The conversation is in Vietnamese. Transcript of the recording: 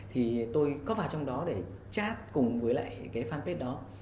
thì tôi có vào trong đó để chat cùng với lại cái fanpage đó